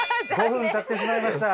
５分経ってしまいました。